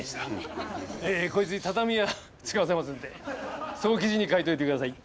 こいつに畳屋継がせますんでそう記事に書いておいてください。